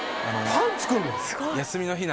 パン作んの？